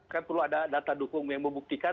kan perlu ada data dukung yang membuktikan